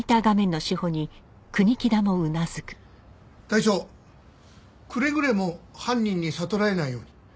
隊長くれぐれも犯人に悟られないように。